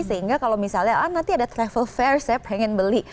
sehingga kalau misalnya nanti ada travel fair saya pengen beli